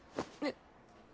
えっ？